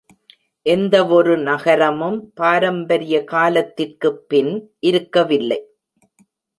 எந்தவொரு நகரமும் பாரம்பரிய காலத்திற்கு பின் இருக்கவில்லை.